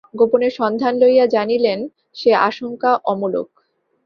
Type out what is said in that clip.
গোপনে সন্ধান লইয়া জানিলেন, সে আশঙ্কা অমূলক।